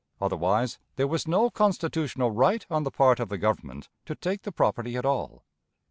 Otherwise, there was no constitutional right on the part of the Government to take the property at all.